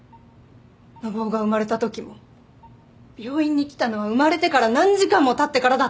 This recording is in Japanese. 信男が生まれたときも病院に来たのは生まれてから何時間もたってからだったよね。